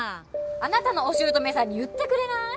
あなたのお姑さんに言ってくれない？